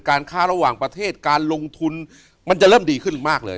ค้าระหว่างประเทศการลงทุนมันจะเริ่มดีขึ้นมากเลย